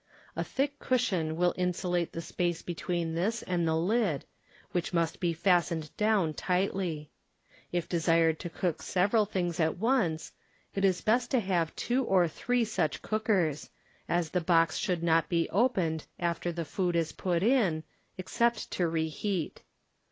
A thick cushion will insulate the space between this and the lid, which must be fastened down tightly. If desired to cook several things at once it is best to have two or three such cookers, as the box should not be opened after tbe food is put in, except to reheat.